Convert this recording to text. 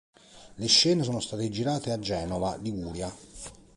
Le scene sono state girate a Genova, Liguria.